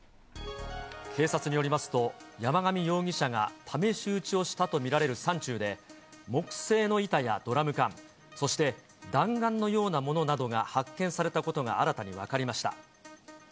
警察によりますと、山上容疑者が試し撃ちをしたと見られる山中で、木製の板やドラム缶、そして弾丸のようなものなどが発見されたことが新たに分かりました。